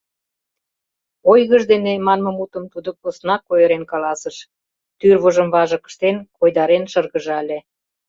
«Ойгыж дене» манме мутым тудо поснак ойырен каласыш, тӱрвыжым важык ыштен, койдарен шыргыжале.